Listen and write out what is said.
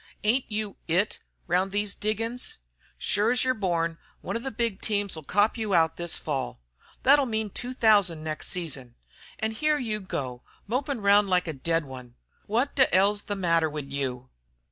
Ain't you 'It' round these diggin's? Sure as yer born, one of the big teams'll cop you out this Fall. Thet 'll mean two thousand next season. An' here you go mopin' round like a dead one. Wot t' 'll's the matter wid you?"